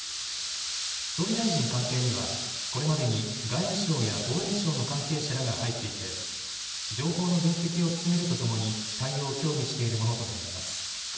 総理大臣官邸には、これまでに外務省や防衛省の関係者らが入っていて情報の分析を進めるとともに対応を協議しているものと見られます。